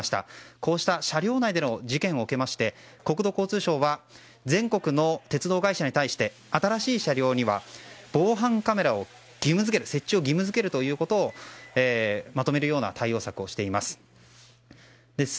こうした車両内での事件を受けまして国土交通省は全国の鉄道会社に対して新しい車両には防犯カメラの設置を義務付けるということをまとめるような対応策をしています。